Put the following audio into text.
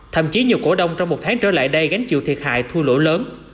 thậm chí nhiều cổ đông trong một tháng trở lại đây gánh chịu thiệt hại thu lỗi lớn